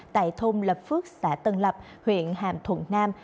tại thôn lập phước xã tân lập huyện hàm thuận nam